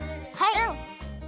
うん！